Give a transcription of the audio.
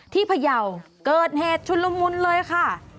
พยาวเกิดเหตุชุนละมุนเลยค่ะ